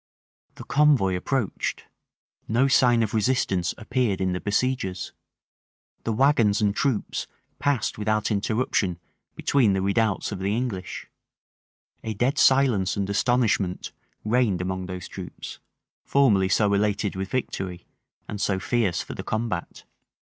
The convoy approached: no sign of resistance appeared in the besiegers: the wagons and troops passed without interruption between the redoubts of the English: a dead silence and astonishment reigned among those troops, formerly so elated with victory, and so fierce for the combat.